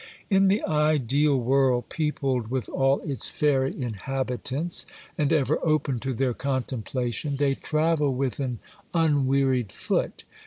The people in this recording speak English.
In the ideal world, peopled with all its fairy inhabitants, and ever open to their contemplation, they travel with an unwearied foot.